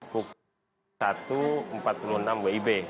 pukul satu empat puluh enam wib